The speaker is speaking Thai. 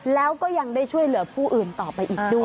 แล้วก็ยังได้ช่วยเหลือผู้อื่นต่อไปอีกด้วย